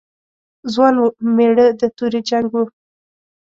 ځوان و، مېړه د تورې جنګ و.